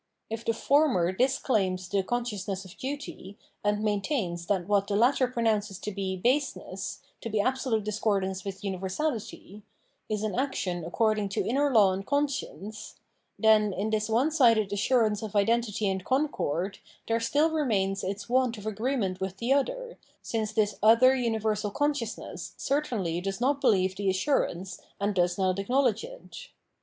If the former disclaims the consciousness of duty, and maintains that what the latter pronounces to be baseness, to be absolute discordance with universahty, is an action according to inner law and conscience, then, in this onesided assurance of identity and concord, there still remains its want of agreement with the other, since this other universal consciousness certainly does not believe the assurance and does not acknowledge it.